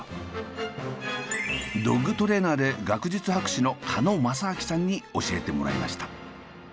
ドッグトレーナーで学術博士の鹿野正顕さんに教えてもらいました。